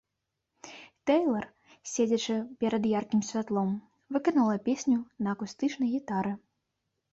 Тэйлар, седзячы перад яркім святлом, выканала песню на акустычнай гітары.